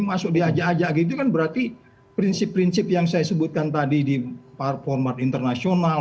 masuk diajak ajak gitu kan berarti prinsip prinsip yang saya sebutkan tadi di format internasional